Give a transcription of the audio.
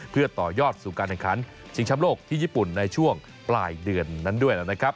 เพื่อต่อยอดสู่การแข่งขันชิงช้ำโลกที่ญี่ปุ่นในช่วงปลายเดือนนั้นด้วยนะครับ